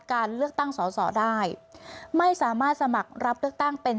การเลือกตั้งสอสอได้ไม่สามารถสมัครรับเลือกตั้งเป็น